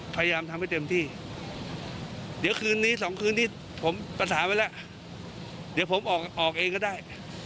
พยายามทำให้เต็มที่เดี๋ยวคืนนี้สองคืนนี้ผมประสานไว้แล้วเดี๋ยวผมออกออกเองก็ได้